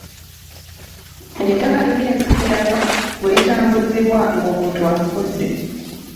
Manya ettaka eryensikirano bwe litambuzibwa ng'omuntu afudde.